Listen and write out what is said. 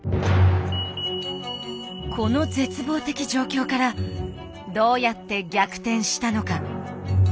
この絶望的状況からどうやって逆転したのか。